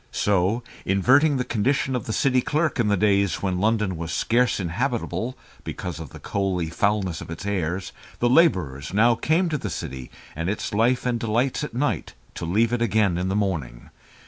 So, inverting the condition of the city clerk in the days when London was scarce inhabitable because of the coaly foulness of its air, the labourers now came to the city and its life and delights at night to leave it again in the morning.